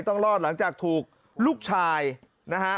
ต้องรอดหลังจากถูกลูกชายนะฮะ